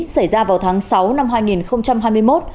xảy ra vào tháng sáu năm hai nghìn hai mươi một